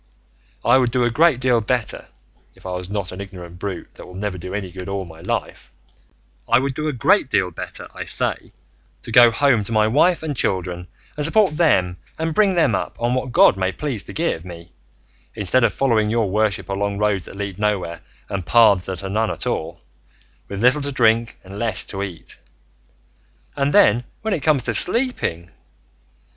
I would do a great deal better (if I was not an ignorant brute that will never do any good all my life), I would do a great deal better, I say, to go home to my wife and children and support them and bring them up on what God may please to give me, instead of following your worship along roads that lead nowhere and paths that are none at all, with little to drink and less to eat. And then when it comes to sleeping!